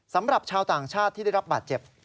สำหรับชาวต่างชาติที่ได้รับบาดเจ็บ